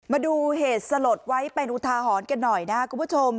มาดูเหตุสลดไว้เป็นอุทาหรณ์กันหน่อยนะครับคุณผู้ชม